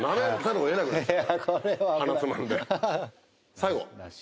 最後。